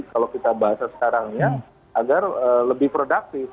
kalau kita bahasa sekarang ya agar lebih produktif